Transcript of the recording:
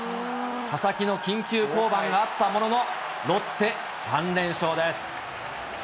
佐々木の緊急降板があったものの、ロッテ、３連勝です。